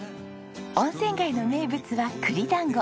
温泉街の名物は栗団子。